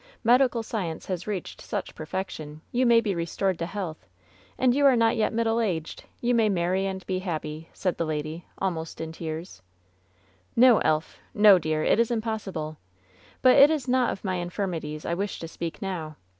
Medical science has reached such perfection, you may be restored to health; LOVE'S BITTEREST CUP 299 and you are yet not middle aged — ^you may marry and be happy," said the lady, almost in tears. ^*N*o, Elf! No, dearl It is impossible! But it is not of my infirmities I wish to speak now.